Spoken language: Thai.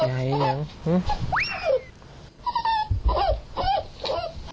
อย่าหายอย่าหาย